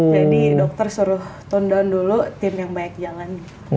jadi dokter suruh tone down dulu tim yang banyak jalan